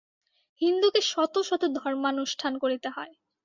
হিন্দুকে শত শত ধর্মানুষ্ঠান করিতে হয়।